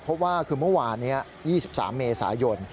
เพราะว่าคือเมื่อวานนี้๒๓เมษายน